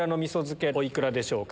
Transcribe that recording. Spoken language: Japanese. お幾らでしょうか？